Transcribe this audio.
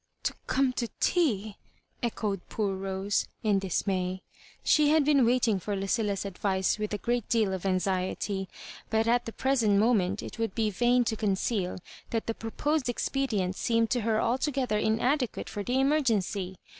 "To come to teal" echoed poor Rose, in dis may. She had been waiting for Lucilla's advice with a great deal of anxiety; but at the present moment it wotild be vain to conceal that the proposed expedient seemed to her altogether in adequate for the emergency.